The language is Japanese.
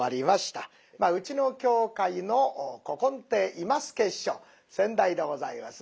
まあうちの協会の古今亭今輔師匠先代でございますね。